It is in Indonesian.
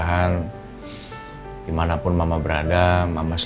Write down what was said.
iya ibu malika juga sayang banget sama masa